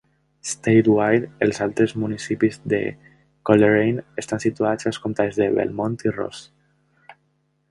Statewide, els altres municipis de Colerain estan situats als comtats de Belmont i Ross.